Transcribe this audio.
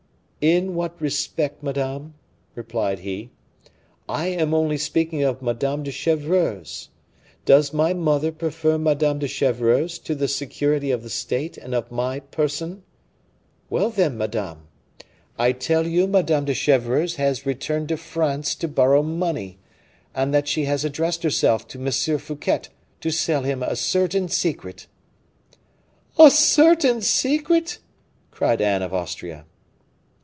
"In what respect, madame?" replied he. "I am only speaking of Madame de Chevreuse; does my mother prefer Madame de Chevreuse to the security of the state and of my person? Well, then, madame, I tell you Madame de Chevreuse has returned to France to borrow money, and that she addressed herself to M. Fouquet to sell him a certain secret." "A certain secret!" cried Anne of Austria.